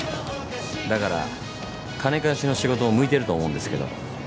だから金貸しの仕事向いてると思うんですけど。